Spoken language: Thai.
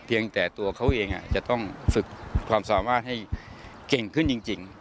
ยังแต่ตัวเขาเองจะต้องฝึกความสามารถให้เก่งขึ้นจริง